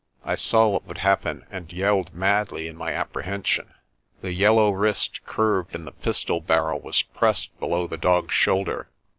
I saw what would happen and yelled madly in my appre hension. The yellow wrist curved and the pistol barrel was pressed below the dog's shoulder.